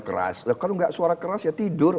keras kalau enggak suara keras ya tidur